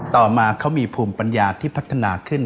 ต่อมาเขามีภูมิปัญญาที่พัฒนาขึ้น